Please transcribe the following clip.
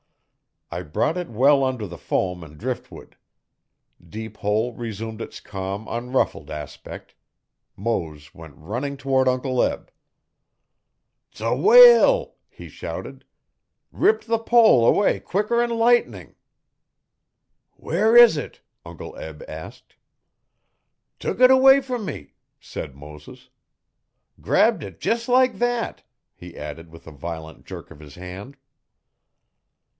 I brought it well under the foam and driftwood. Deep Hole resumed its calm, unruffled aspect. Mose went running toward Uncle Eb. ''S a whale!' he shouted. 'Ripped the pole away quicker'n lightnin'.' 'Where is it?' Uncle Eb asked. 'Tuk it away f'm me,' said Moses. 'Grabbed it jes' like thet,' he added with a violent jerk of his hand.